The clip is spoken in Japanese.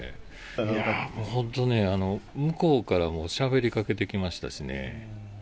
いや、もう本当ね、向こうからしゃべりかけてきましたしね。